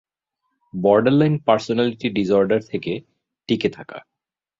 Borderline personality disorder থেকে টিকে থাকা।